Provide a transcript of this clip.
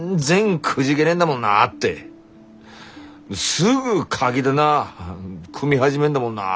「すぐカキ棚組み始めんだもんなぁ」